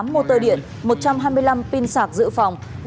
tám mô tơ điện một trăm hai mươi năm pin sạc giữ phòng